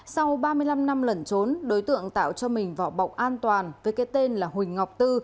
sau ba mươi năm năm lẩn trốn đối tượng tạo cho mình vỏ bọc an toàn với cái tên là huỳnh ngọc tư